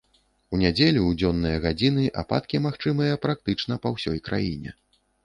У нядзелю ў дзённыя гадзіны ападкі магчымыя практычна па ўсёй краіне.